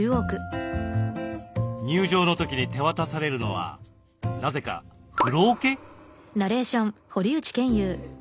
入場の時に手渡されるのはなぜか風呂おけ？